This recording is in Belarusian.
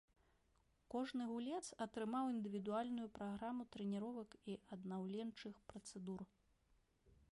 Кожны гулец атрымаў індывідуальную праграму трэніровак і аднаўленчых працэдур.